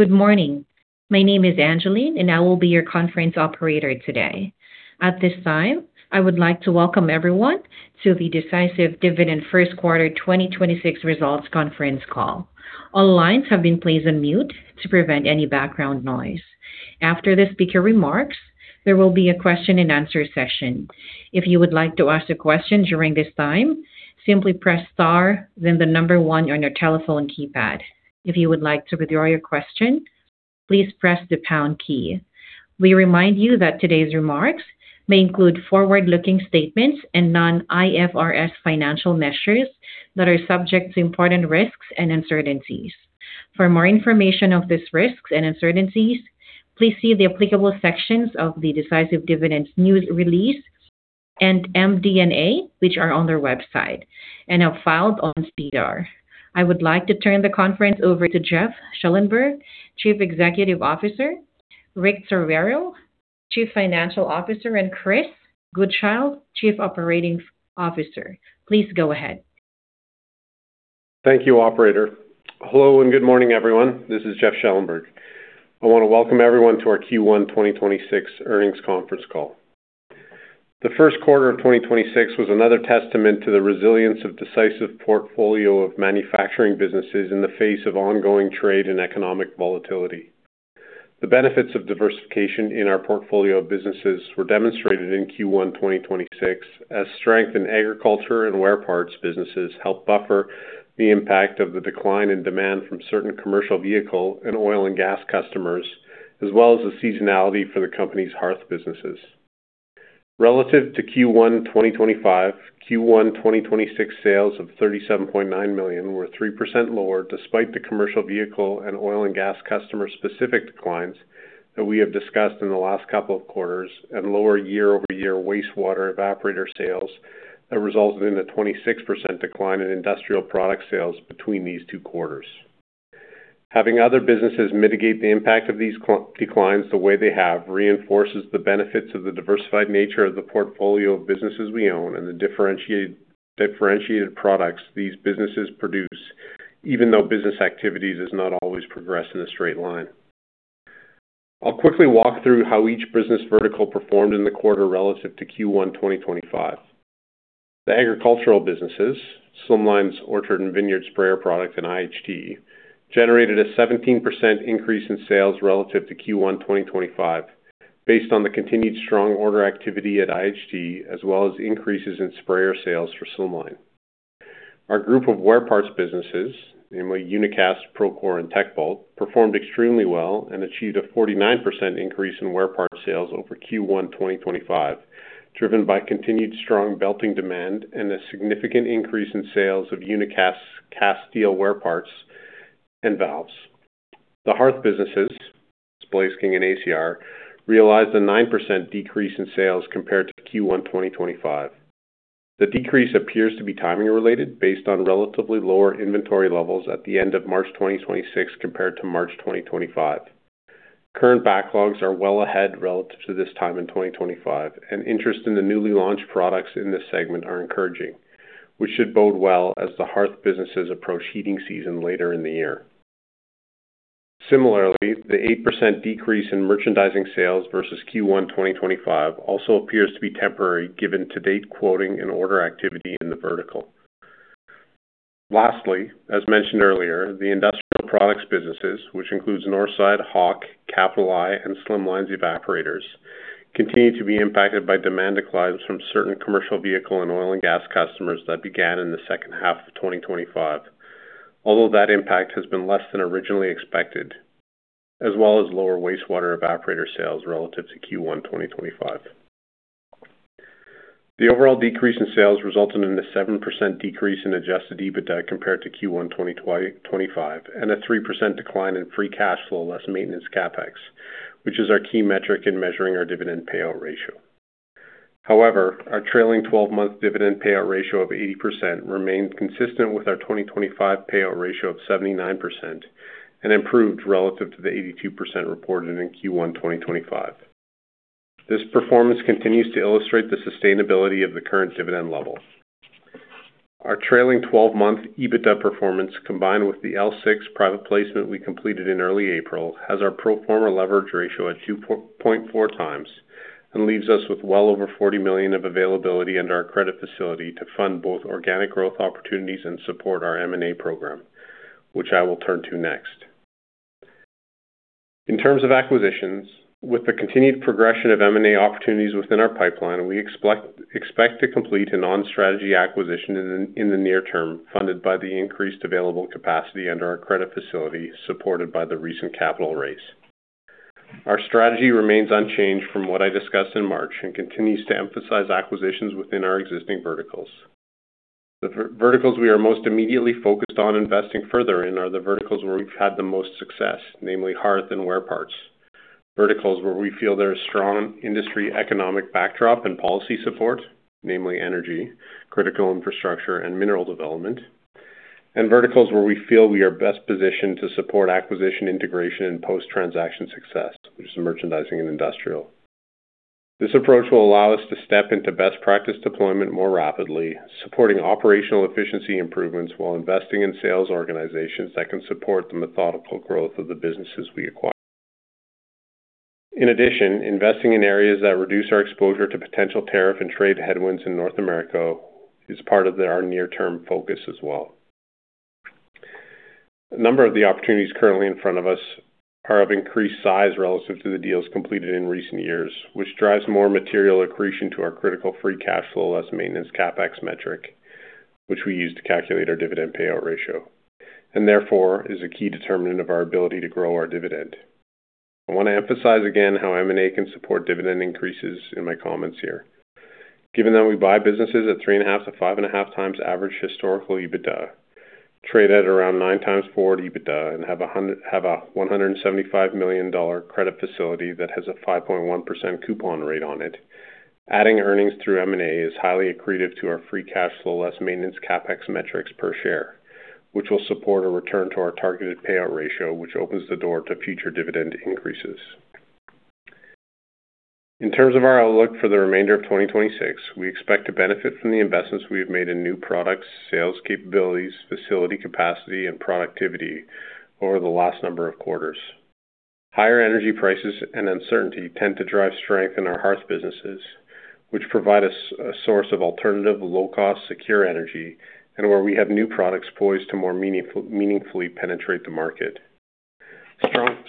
Good morning. My name is Angeline. I will be your conference operator today. At this time, I would like to welcome everyone to the Decisive Dividend Q1 2026 results conference call. All lines have been placed on mute to prevent any background noise. After the speaker remarks, there will be a question-and-answer session. If you would like to ask a question during this time, simply press star, then the number one on your telephone keypad. If you would like to withdraw your question, please press the pound key. We remind you that today's remarks may include forward-looking statements and non-IFRS financial measures that are subject to important risks and uncertainties. For more information of these risks and uncertainties, please see the applicable sections of the Decisive Dividend's news release and MD&A, which are on their website and are filed on SEDAR. I would like to turn the conference over to Jeff Schellenberg, Chief Executive Officer, Rick Torriero, Chief Financial Officer, and Chris Goodchild, Chief Operating Officer. Please go ahead. Thank you, operator. Hello, and good morning, everyone. This is Jeff Schellenberg. I want to welcome everyone to our Q1 2026 earnings conference call. The Q1 of 2026 was another testament to the resilience of Decisive portfolio of manufacturing businesses in the face of ongoing trade and economic volatility. The benefits of diversification in our portfolio of businesses were demonstrated in Q1 2026 as strength in agriculture and wear parts businesses helped buffer the impact of the decline in demand from certain commercial vehicle and oil and gas customers, as well as the seasonality for the company's hearth businesses. Relative to Q1 2025, Q1 2026 sales of 37.9 million were 3% lower despite the commercial vehicle and oil and gas customer specific declines that we have discussed in the last couple of quarters and lower year-over-year wastewater evaporator sales that resulted in a 26% decline in industrial product sales between these two quarters. Having other businesses mitigate the impact of these declines the way they have reinforces the benefits of the diversified nature of the portfolio of businesses we own and the differentiated products these businesses produce, even though business activities does not always progress in a straight line. I'll quickly walk through how each business vertical performed in the quarter relative to Q1 2025. The agricultural businesses, Slimline's orchard and vineyard sprayer product and IHT, generated a 17% increase in sales relative to Q1 2025 based on the continued strong order activity at IHT as well as increases in sprayer sales for Slimline. Our group of wear parts businesses, namely Unicast, Procore, and Techbelt, performed extremely well and achieved a 49% increase in wear part sales over Q1 2025, driven by continued strong belting demand and a significant increase in sales of Unicast cast steel wear parts and valves. The hearth businesses, Blaze King and ACR, realized a 9% decrease in sales compared to Q1 2025. The decrease appears to be timing related based on relatively lower inventory levels at the end of March 2026 compared to March 2025. Current backlogs are well ahead relative to this time in 2025, and interest in the newly launched products in this segment are encouraging, which should bode well as the hearth businesses approach heating season later in the year. Similarly, the 8% decrease in merchandising sales versus Q1 2025 also appears to be temporary given to date quoting and order activity in the vertical. Lastly, as mentioned earlier, the industrial products businesses, which includes Northside, Hawk, Capital I, and Slimline's evaporators, continue to be impacted by demand declines from certain commercial vehicle and oil and gas customers that began in the H2 of 2025. Although that impact has been less than originally expected, as well as lower wastewater evaporator sales relative to Q1 2025. The overall decrease in sales resulted in a 7% decrease in Adjusted EBITDA compared to Q1 2025 and a 3% decline in Free Cash Flow less maintenance CapEx, which is our key metric in measuring our dividend payout ratio. However, our trailing 12-month dividend payout ratio of 80% remains consistent with our 2025 payout ratio of 79% and improved relative to the 82% reported in Q1 2025. This performance continues to illustrate the sustainability of the current dividend level. Our trailing 12-month EBITDA performance, combined with the L6 private placement we completed in early April, has our pro forma leverage ratio at 2.4 times and leaves us with well over 40 million of availability under our credit facility to fund both organic growth opportunities and support our M&A program, which I will turn to next. In terms of acquisitions, with the continued progression of M&A opportunities within our pipeline, we expect to complete an on-strategy acquisition in the near term funded by the increased available capacity under our credit facility supported by the recent capital raise. Our strategy remains unchanged from what I discussed in March and continues to emphasize acquisitions within our existing verticals. The verticals we are most immediately focused on investing further in are the verticals where we've had the most success, namely hearth and wear parts. Verticals where we feel there is strong industry economic backdrop and policy support, namely energy, critical infrastructure, and mineral development. Verticals where we feel we are best positioned to support acquisition integration and post-transaction success, which is merchandising and industrial. This approach will allow us to step into best practice deployment more rapidly, supporting operational efficiency improvements while investing in sales organizations that can support the methodical growth of the businesses we acquire. Investing in areas that reduce our exposure to potential tariff and trade headwinds in North America is part of our near-term focus as well. A number of the opportunities currently in front of us are of increased size relative to the deals completed in recent years, which drives more material accretion to our critical Free Cash Flow less maintenance CapEx metric, which we use to calculate our dividend payout ratio, and therefore is a key determinant of our ability to grow our dividend. I want to emphasize again how M&A can support dividend increases in my comments here. Given that we buy businesses at 3.5-5.5 times average historical EBITDA, trade at around 9 times forward EBITDA and have a 175 million dollar credit facility that has a 5.1% coupon rate on it, adding earnings through M&A is highly accretive to our free cash flow less maintenance CapEx metrics per share, which will support a return to our targeted payout ratio, which opens the door to future dividend increases. In terms of our outlook for the remainder of 2026, we expect to benefit from the investments we have made in new products, sales capabilities, facility capacity and productivity over the last number of quarters. Higher energy prices and uncertainty tend to drive strength in our hearth businesses, which provide us a source of alternative, low-cost, secure energy and where we have new products poised to more meaningfully penetrate the market.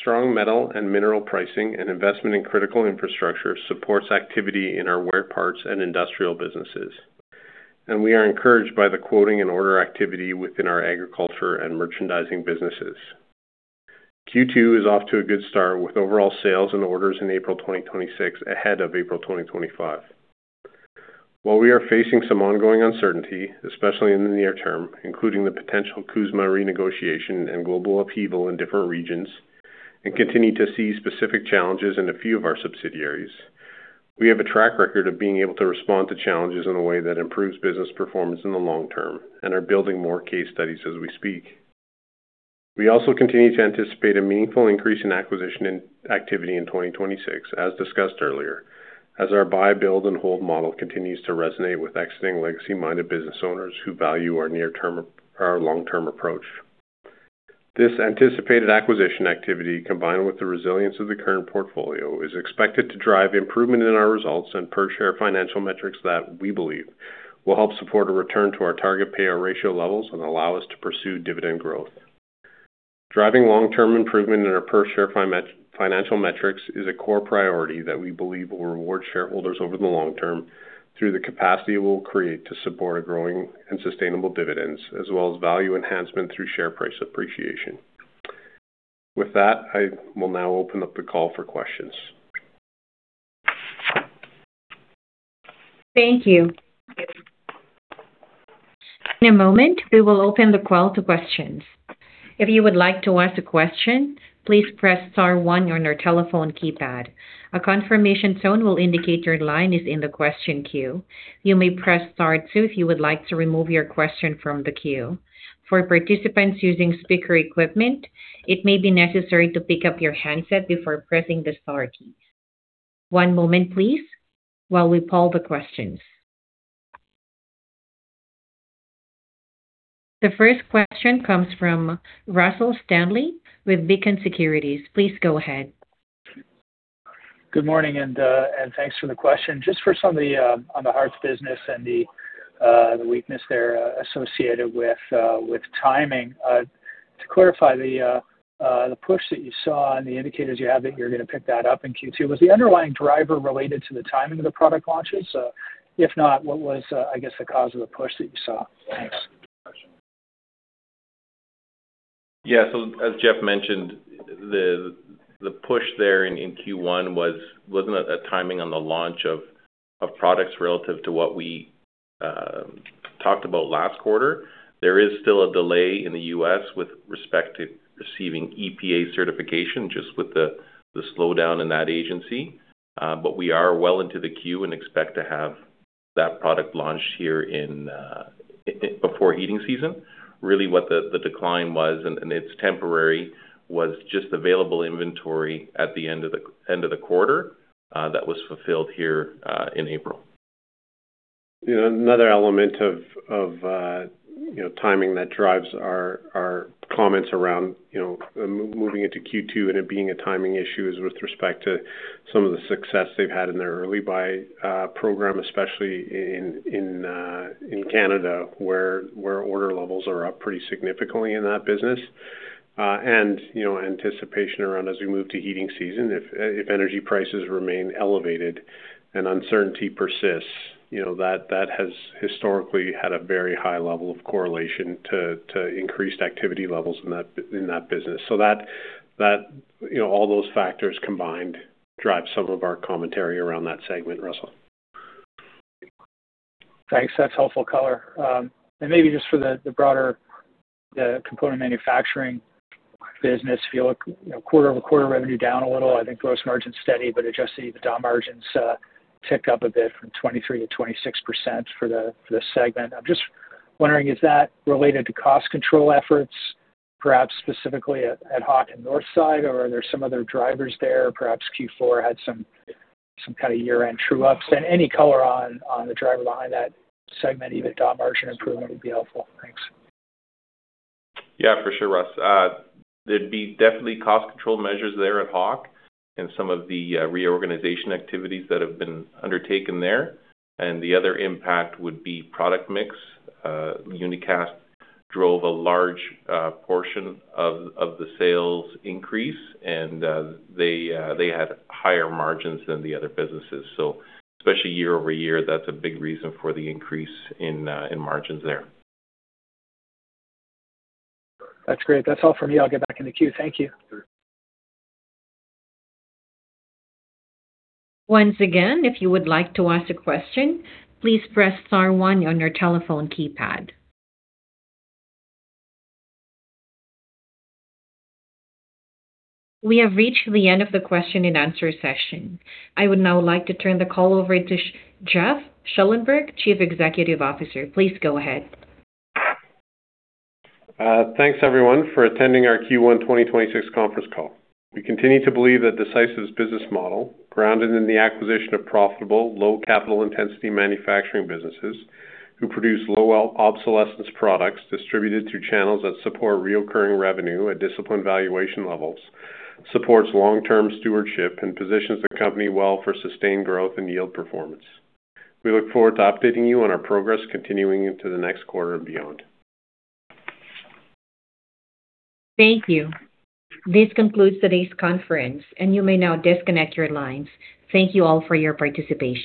Strong metal and mineral pricing and investment in critical infrastructure supports activity in our wear parts and industrial businesses. We are encouraged by the quoting and order activity within our agriculture and merchandising businesses. Q2 is off to a good start with overall sales and orders in April 2026 ahead of April 2025. While we are facing some ongoing uncertainty, especially in the near term, including the potential CUSMA renegotiation and global upheaval in different regions, and continue to see specific challenges in a few of our subsidiaries, we have a track record of being able to respond to challenges in a way that improves business performance in the long term and are building more case studies as we speak. We also continue to anticipate a meaningful increase in acquisition and activity in 2026, as discussed earlier, as our buy, build and hold model continues to resonate with existing legacy-minded business owners who value our long-term approach. This anticipated acquisition activity, combined with the resilience of the current portfolio, is expected to drive improvement in our results and per share financial metrics that we believe will help support a return to our target payout ratio levels and allow us to pursue dividend growth. Driving long-term improvement in our per share financial metrics is a core priority that we believe will reward shareholders over the long-term through the capacity it will create to support a growing and sustainable dividends, as well as value enhancement through share price appreciation. With that, I will now open up the call for questions. Thank you. In a moment, we will open the call to questions. If you would like to ask a question, please press star one on your telephone keypad. A confirmation tone will indicate your line is in the question queue. You may press star two if you would like to remove your question from the queue. For participants using speaker equipment, it may be necessary to pick up your handset before pressing the star keys. One moment please while we poll the questions. The first question comes from Russell Stanley with Beacon Securities. Please go ahead. Good morning and thanks for the question. Just for some of the on the hearth business and the weakness there associated with timing, to clarify the push that you saw and the indicators you have that you're going to pick that up in Q2, was the underlying driver related to the timing of the product launches? If not, what was, I guess the cause of the push that you saw? Thanks. Yeah. As Jeff mentioned, the push there in Q1 wasn't a timing on the launch of products relative to what we talked about last quarter. There is still a delay in the U.S. with respect to receiving EPA certification just with the slowdown in that agency. We are well into the queue and expect to have that product launched here in before heating season. Really what the decline was, and it's temporary, was just available inventory at the end of the, end of the quarter that was fulfilled here in April. You know, another element of, you know, timing that drives our comments around, you know, moving into Q2 and it being a timing issue is with respect to some of the success they've had in their early buy program, especially in Canada, where order levels are up pretty significantly in that business. You know, anticipation around as we move to heating season, if energy prices remain elevated and uncertainty persists, you know, that has historically had a very high level of correlation to increased activity levels in that business. That, you know, all those factors combined drive some of our commentary around that segment, Russell. Thanks. That's helpful color. Maybe just for the broader, the component manufacturing business, if you look, you know, quarter over quarter revenue down a little. I think gross margin's steady, but Adjusted EBITDA margins ticked up a bit from 23%-26% for the, for the segment. I'm just wondering, is that related to cost control efforts? Perhaps specifically at Hawk and Northside, or are there some other drivers there? Perhaps Q4 had some kind of year-end true-ups. Any color on the driver behind that segment, EBITDA margin improvement would be helpful. Thanks. For sure, Russ. There'd be definitely cost control measures there at Hawk and some of the reorganization activities that have been undertaken there. The other impact would be product mix. Unicast drove a large portion of the sales increase and they had higher margins than the other businesses. Especially year-over-year, that's a big reason for the increase in margins there. That's great. That's all for me. I'll get back in the queue. Thank you. Once again, if you would like to ask a question, please press star one on your telephone keypad. We have reached the end of the question-and-answer session. I would now like to turn the call over to Jeff Schellenberg, Chief Executive Officer. Please go ahead. Thanks everyone for attending our Q1 2026 conference call. We continue to believe that Decisive's business model, grounded in the acquisition of profitable, low capital intensity manufacturing businesses who produce low obsolescence products distributed through channels that support reoccurring revenue at disciplined valuation levels, supports long-term stewardship and positions the company well for sustained growth and yield performance. We look forward to updating you on our progress continuing into the next quarter and beyond. Thank you. This concludes today's conference, and you may now disconnect your lines. Thank you all for your participation.